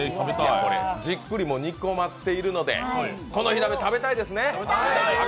じっくり煮込まっているのでこの火鍋、食べたいですね？